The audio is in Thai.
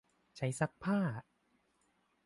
ใช้ซักผ้า ?